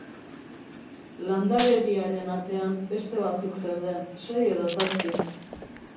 Landarediaren artean beste batzuk zeuden, sei edo zazpi.